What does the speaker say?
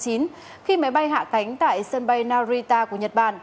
khi máy bay hạ cánh tại sân bay narita của nhật bản